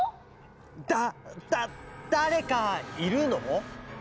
だだだれかいるの？